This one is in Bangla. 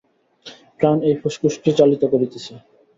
প্রাণ এই ফুসফুসকে চালিত করিতেছে।